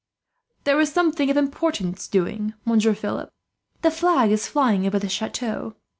"There is something of importance doing, Monsieur Philip. The flag is flying over the chateau.